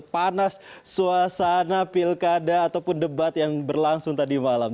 panas suasana pilkada ataupun debat yang berlangsung tadi malam